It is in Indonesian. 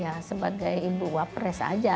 ya sebagai ibu wapres aja